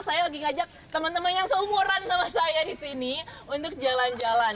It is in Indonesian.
saya lagi ngajak teman teman yang seumuran sama saya di sini untuk jalan jalan